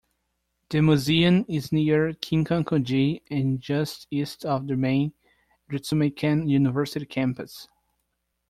The museum is near Kinkaku-ji and just east of the main Ritsumeikan University campus.